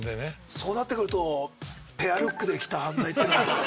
そうなってくるとペアルックで来た犯罪っていうのは。